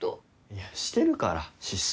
いやしてるから失踪。